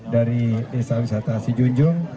dari desa wisata sijunjung